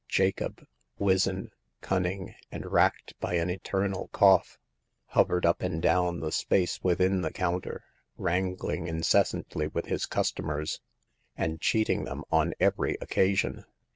Jacob, wizen, cunning, and racked by an eternal cough, hovered up and down the space within the counter, wrangling incessantly with his cus tomers, and cheating them on every occasion.